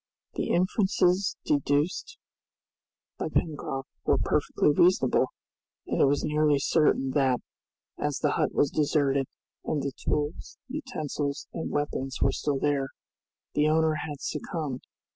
The inferences deduced by Pencroft were perfectly reasonable, and it was nearly certain that, as the hut was deserted, and the tools, utensils, and weapons were still there, the owner had succumbed.